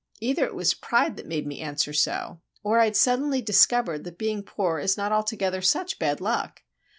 Either it was pride that made me answer so, or I had suddenly discovered that being poor is not altogether such bad luck!